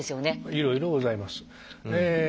いろいろございます。